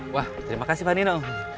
wah terima kasih pak nino